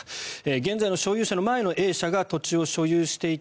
現在の所有者の前のＡ社が土地を所有していた